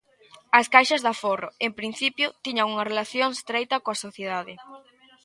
As caixas de aforro, en principio, tiñan unha relación estreita coa sociedade.